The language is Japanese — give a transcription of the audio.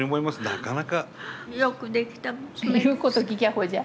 なかなか。よくできた娘で。